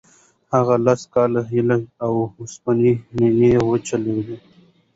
هغه لس کاله هلته د اوسپنو نینې وچیچلې.